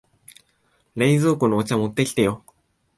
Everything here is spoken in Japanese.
冷蔵庫のお茶持ってきてよ。